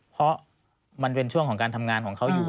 เพราะมันเป็นช่วงของการทำงานของเขาอยู่